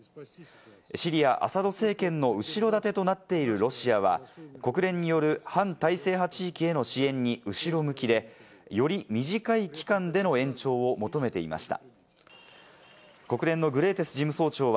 シリア・アサド政権の後ろ盾となっているロシアは国連による反体制派地域への支援に後ろ向きで、より短い期間での延長を求めていました。